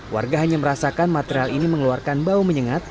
warga hanya merasakan material ini mengeluarkan bau menyengat